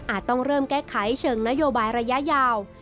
ต้องเริ่มแก้ไขเชิงนโยบายระยะยาว